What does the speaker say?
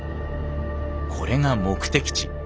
これが目的地。